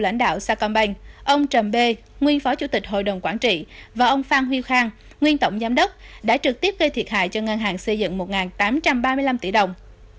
lãnh đạo sacombank ông trầm bê nguyên phó chủ tịch hội đồng quản trị và ông phan huy khang nguyên tổng giám đốc đã trực tiếp gây thiệt hại cho ngân hàng xây dựng một tám trăm ba mươi năm tỷ đồng